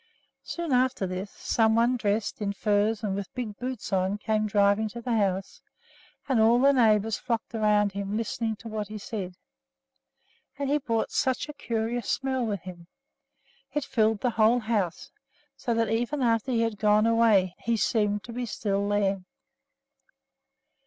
Soon after this, some one dressed in furs and with big boots on came driving to the house, and all the neighbors flocked around him, listening to what he said. And he brought such a curious smell with him! It filled the whole house, so that, even after he had gone away, he seemed to be still there.